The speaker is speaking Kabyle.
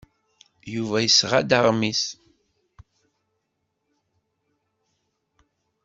Yuba yesɣa-d aɣmis.